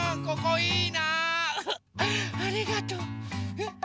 ここいいなウフ。